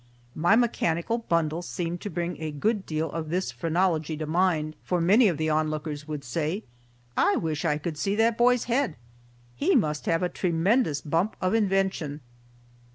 My mechanical bundle seemed to bring a good deal of this phrenology to mind, for many of the onlookers would say, "I wish I could see that boy's head,—he must have a tremendous bump of invention."